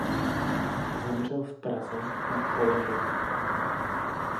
Zemřel v Praze na choleru.